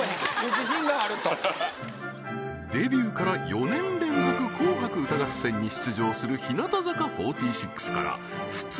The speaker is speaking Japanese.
自信があるとデビューから４年連続紅白歌合戦に出場する日向坂４６から普通